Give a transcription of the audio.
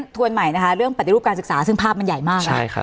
ทวนใหม่นะคะเรื่องปฏิรูปการศึกษาซึ่งภาพมันใหญ่มาก